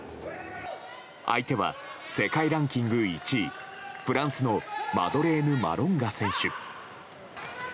相手は、世界ランキング１位フランスのマドレーヌ・マロンガ選手。